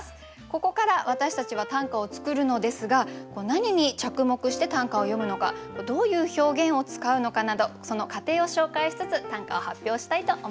ここから私たちは短歌を作るのですが何に着目して短歌を詠むのかどういう表現を使うのかなどその過程を紹介しつつ短歌を発表したいと思います。